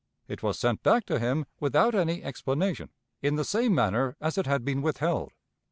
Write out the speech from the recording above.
It was sent back to him without any explanation, in the same manner as it had been withheld.